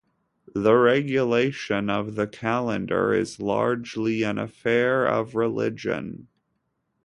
The regulation of the calendar is largely an affair of religion.